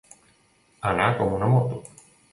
Anar com una moto.